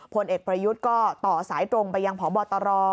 ผลเอกประยุทธ์ก็ต่อสายตรงไปยังพบตร